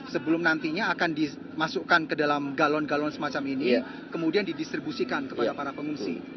sebelum nantinya akan dimasukkan ke dalam galon galon semacam ini kemudian didistribusikan kepada para pengungsi